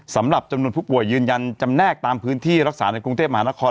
สำหรับจำนวนผู้ป่วยยืนยันจำแนกตามพื้นที่รักษาในกรุงเทพมหานคร